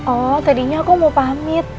oh tadinya aku mau pamit